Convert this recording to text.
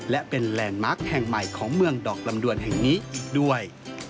และเป็นแลนด์มาร์คแห่งใหม่ของเมืองดอกลำดวนแห่งนี้อีกด้วย